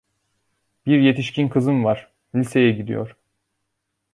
Bir yetişkin kızım var, liseye gidiyor.